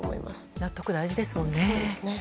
納得、大事ですもんね。